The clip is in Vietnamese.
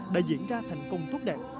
đã diễn ra thành công thúc đẹp